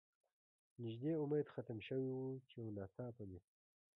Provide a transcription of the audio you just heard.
نږدې امید ختم شوی و، چې یو ناڅاپه مې.